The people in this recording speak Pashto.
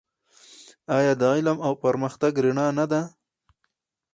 آیا د علم او پرمختګ رڼا نه ده؟